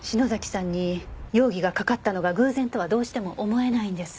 さんに容疑がかかったのが偶然とはどうしても思えないんです。